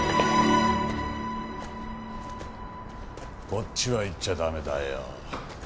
こっちは行っちゃ駄目だよ。